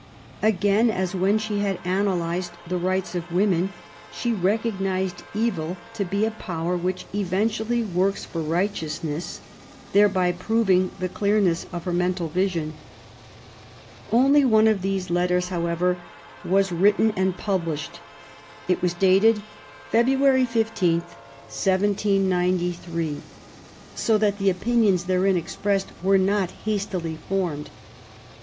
Again, as when she had analyzed the rights of women, she recog nized evil to be a power which eventually works for righteousness, thereby proving the clearness of her mental vision. Only one of these letters, however, was 120 MAEY W0LL8T0NECEAFT GODWIN. written and published. It is dated Feb. 15, 1798^ so that the opinions therein expressed were not hastily formed.